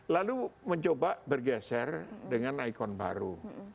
lalu mencoba bergeser dengan ikon baru